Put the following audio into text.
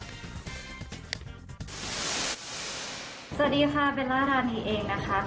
สวัสดีค่ะเบลล่าราธานีเองนะคะ